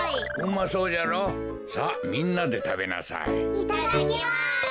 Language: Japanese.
いただきます。